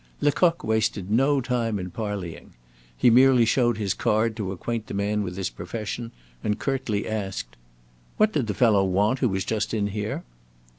Lecoq wasted no time in parleying. He merely showed his card to acquaint the man with his profession, and curtly asked: "What did the fellow want who was just in here?"